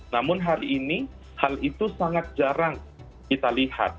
namun hari ini hal itu sangat jarang kita lihat